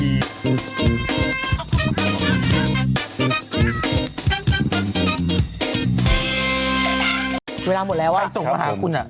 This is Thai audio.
ใครส่งมันมาหาคุณน่ะ